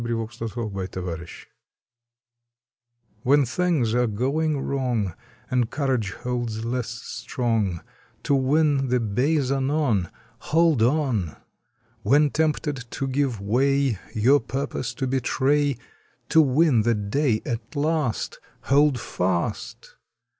June Twenty first THE TRIPLE HOLD things are going wrong And courage holds less strong, To win the bays anon HOLD ON! When tempted to give way, Your purpose to betray, To win the day at last HOLD FAST!